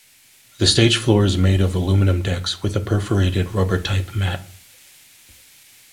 The stage floor is made of aluminum decks with a perforated, rubber-type mat.